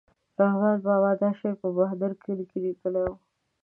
رحمان بابا دا شعر په بهادر کلي کې لیکلی و.